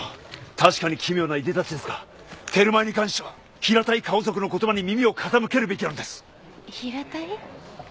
確かに奇妙ないでたちですがテルマエに関しては平たい顔族の言葉に耳を傾けるべきなのです平たい？